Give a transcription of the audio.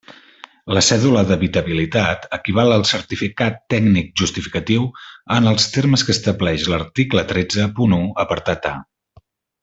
La cèdula d'habitabilitat equival al certificat tècnic justificatiu en els termes que estableix l'article tretze punt u apartat a.